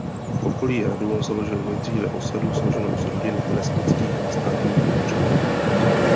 V okolí hradu založili nejdříve osadu složenou z rodin lesnických a státních úředníků.